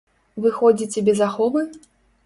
Вы ходзіце без аховы?